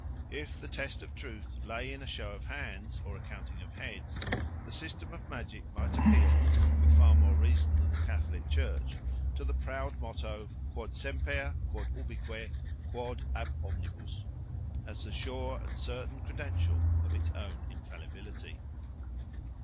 If the test of truth lay in a show of hands or a counting of heads, the system of magic might appeal, with far more reason than the Catholic Church, to the proud motto, "Quod semper, quod ubique, quod ab omnibus," as the sure and certain credential of its own infallibility.